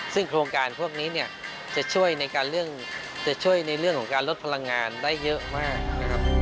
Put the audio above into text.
ซึ่งโครงการพวกนี้จะช่วยในเรื่องของการลดพลังงานได้เยอะมาก